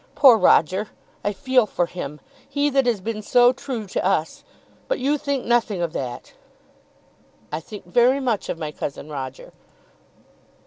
Poor Roger! I feel for him; he that has been so true to us! But you think nothing of that." "I think very much of my cousin Roger."